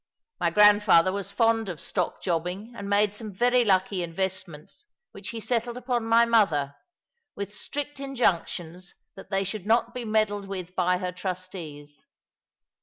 My grandfather was fond of stock jobbing, and made some very lucky investments which he settled upon my mother, with strict injunctions that they should not be meddled with by her trustees.